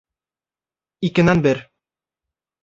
Икенән бер